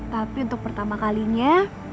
tapi untuk pertama kalinya